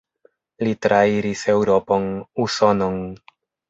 Li trairis Eŭropon, Usonon.